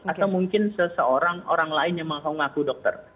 atau mungkin seseorang orang lain yang mengaku dokter